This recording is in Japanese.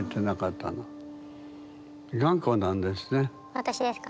私ですか？